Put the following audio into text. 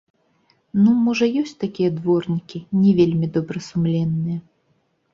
Ну, можа ёсць такія дворнікі, не вельмі добрасумленныя.